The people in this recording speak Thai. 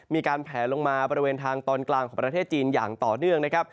มีการแผลลงมาบริเวณทางตอนกลางของประเทศจีนอย่างต่อเนื่องนะครับ